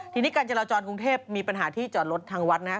ทีนี้การจราจรกรุงเทพมีปัญหาที่จอดรถทางวัดนะครับ